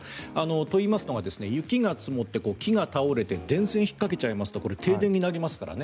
といいますのは雪が積もって木が倒れて電線に引っかけちゃいますとこれ、停電になりますからね。